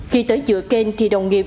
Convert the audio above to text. khi tới giữa kênh thì đồng nghiệp